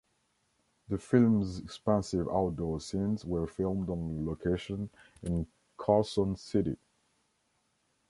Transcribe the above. The film's expansive outdoor scenes were filmed on location in Carson City.